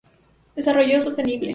Desarrollo Sostenible.